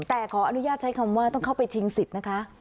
แต่ขออนุญาตใช้คำว่าต้องเข้าไปชิงสิทธิ์นะคะ